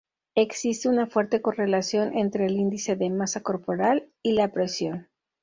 Existe una fuerte correlación entre el índice de masa corporal y la presión.